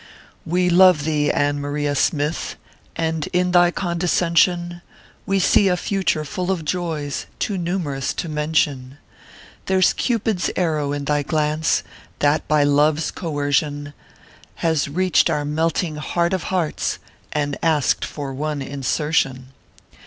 "We love thee, Ann Maria Smith, And in thy condescension, We see a future full of joys Too numerous to mention. There s Cupid s arrow in thy glance, That by thy love s coercion Has reached our melting heart of hearts, And asked for one insertion.